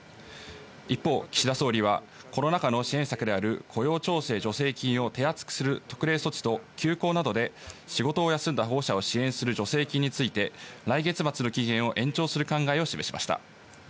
一方、岸田総理はコロナ禍の支援策である雇用調整助成金を手厚くする特例措置と休校などで仕事を休んだ保護者を支援する助成金について来月末の期限を延長する考えを示しました。